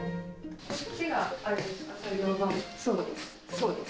そうです。